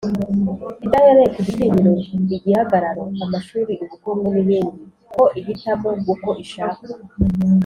idahereye ku gitinyiro, igihagararo, amashuri, ubukungu n’ibindi, ko ihitamo uko ishaka,